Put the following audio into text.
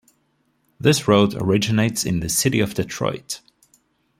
This road originates in the City of Detroit.